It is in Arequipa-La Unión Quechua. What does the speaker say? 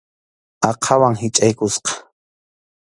Aqhawan hichʼaykusqa.